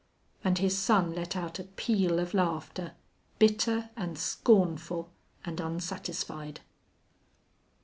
And his son let out a peal of laughter, bitter and scornful and unsatisfied.